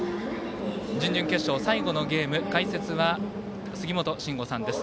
準々決勝、最後のゲーム解説は杉本真吾さんです。